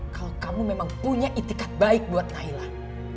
kalau kamu memang punya itikat baik buat nailah